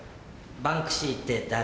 「バンクシーって誰？」。